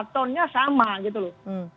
tonnya sama gitu loh